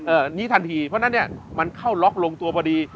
อันนี้ทันทีเพราะฉะนั้นเนี่ยมันเข้าล็อกลงตัวพอดี